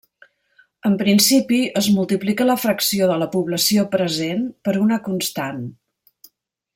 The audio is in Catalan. En principi, es multiplica la fracció de la població present per una constant.